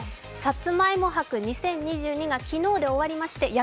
さつまいも博２０２２が昨日で終わりまして